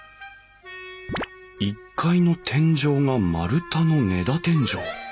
１階の天井が丸太の根太天井。